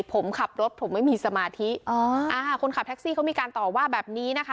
ผมขับรถผมไม่มีสมาธิอ๋ออ่าคนขับแท็กซี่เขามีการต่อว่าแบบนี้นะคะ